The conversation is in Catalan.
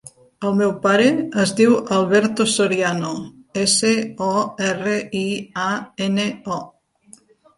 El meu pare es diu Alberto Soriano: essa, o, erra, i, a, ena, o.